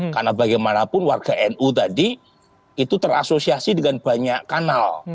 karena bagaimanapun warga nu tadi itu terasosiasi dengan banyak kanal